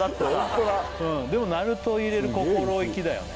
すげえ薄いでもなると入れる心意気だよね